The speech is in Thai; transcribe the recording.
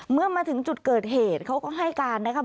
เมื่อมาถึงจุดเกิดเหตุเขาก็ให้การนะครับ